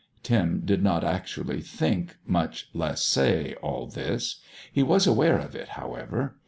Tim did not actually think, much less say, all this. He was aware of it, however.